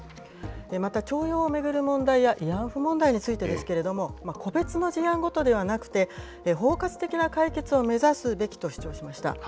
また、徴用を巡る問題や慰安婦問題についてですけれども、個別の事案ごとではなくて、包括的な解決を目指すべきと主張しました。